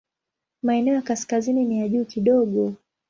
Maeneo ya kaskazini ni ya juu kidogo.